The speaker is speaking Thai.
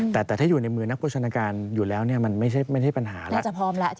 แต่ถ้าอยู่ในมือนักโปรชนาการอยู่แล้วมันไม่ใช่ปัญหาแล้ว